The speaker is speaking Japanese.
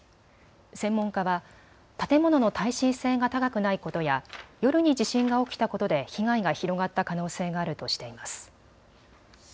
専門家は建物の耐震性が高くないことや夜に地震が起きたことで被害が広がった可能性があるとしています。